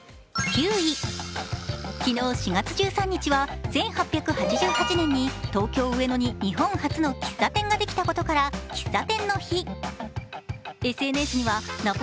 昨日４月１３日は１８８８年に東京・上野に日本初の喫茶店ができたことから喫茶店の日。